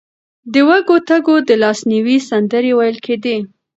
د وږو تږو د لاسنیوي سندرې ویل کېدې.